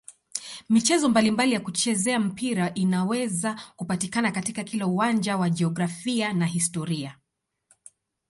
Michezo mbalimbali ya kuchezea mpira inaweza kupatikana katika kila uwanja wa jiografia na historia.